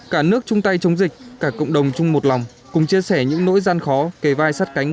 cả nước chung tay chống dịch cả cộng đồng chung một lòng cùng chia sẻ những nỗi gian khó kề vai sát cánh